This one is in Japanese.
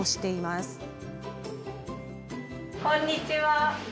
こんにちは。